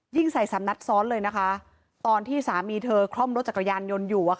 ใส่สามนัดซ้อนเลยนะคะตอนที่สามีเธอคล่อมรถจักรยานยนต์อยู่